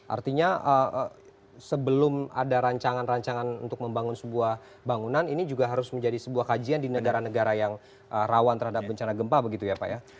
artinya sebelum ada rancangan rancangan untuk membangun sebuah bangunan ini juga harus menjadi sebuah kajian di negara negara yang rawan terhadap bencana gempa begitu ya pak ya